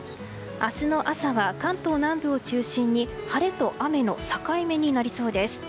明日の朝は関東南部を中心に晴れと雨の境目になりそうです。